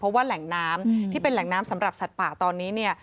เพราะว่าแหล่งน้ำที่เป็นแหล่งน้ำสำหรับสัตว์ป่าตอนนี้เนี่ย